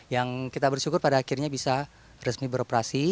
yang kita bersyukur pada akhirnya bisa resmi beroperasi